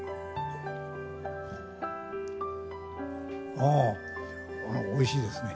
あおいしいですね。